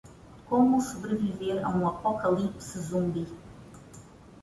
Como sobreviver a um apocalipse zumbi